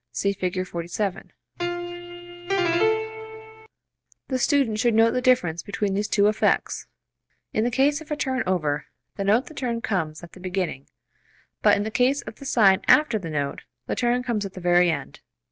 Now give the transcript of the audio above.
(See Fig. 47.) [Illustration: Fig. 47.] The student should note the difference between these two effects; in the case of a turn over the note the turn comes at the beginning, but in the case of the sign after the note the turn comes at the very end.